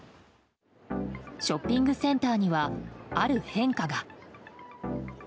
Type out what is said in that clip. ショッピングセンターにはある変化が。